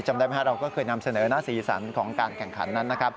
จำได้ไหมครับเราก็เคยนำเสนอนะสีสันของการแข่งขันนั้นนะครับ